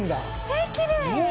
えっきれい。